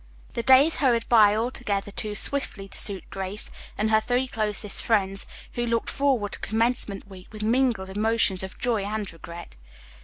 The days hurried by altogether too swiftly to suit Grace and her three closest friends, who looked forward to commencement week with mingled emotions of joy and regret.